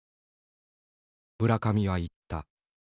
村上は言った。